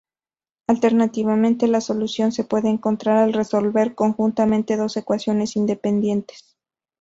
Alternativamente, la solución se puede encontrar al resolver conjuntamente dos ecuaciones independientes.